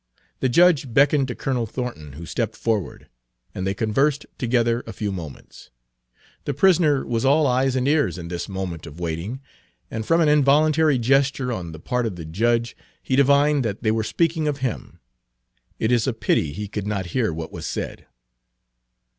The judge beckoned to Colonel Thornton, who stepped forward, and they conversed together a few moments. The prisoner was all eyes and ears in this moment of waiting, and from an involuntary gesture on the part of the judge he divined that they were speaking of him. It is a pity he could not hear what was said.